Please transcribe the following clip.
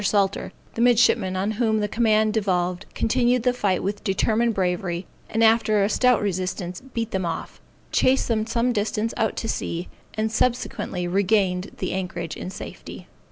Salter, the midshipman on whom the command devolved, continued the fight with determined bravery, and after a stout resistance, beat them off, chased them some distance out to sea, and subsequently regained the anchorage in safety.